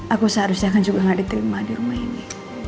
aku seharusnya kan juga gak diterima di rumah ini